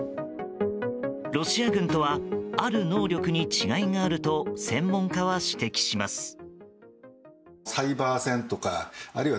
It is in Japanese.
ロシア軍とはある能力に違いがあると専門家は指摘します。